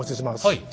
はい。